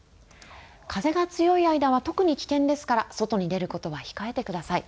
風が強い間は特に危険ですから外に出ることは控えてください。